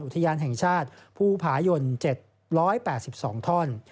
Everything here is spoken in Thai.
อุทยานแห่งชาติภูผายน๗๘๒ท่อน